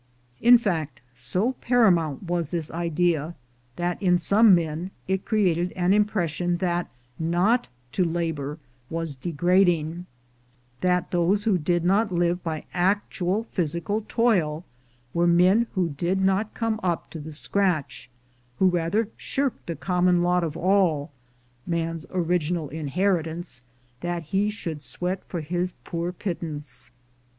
In fact, so paramount was this idea, that in some men it created an impression that not to labor was degrading — that those who did not live by actual physical toil were men who did not come up to the scratch — who rather shirked the common lot of all, "man's original inheritance, that he should sweat for his poor pittance."